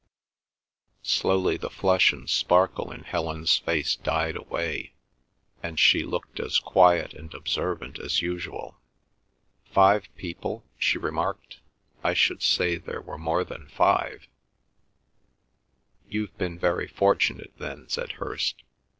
Slowly the flush and sparkle in Helen's face died away, and she looked as quiet and as observant as usual. "Five people?" she remarked. "I should say there were more than five." "You've been very fortunate, then," said Hirst.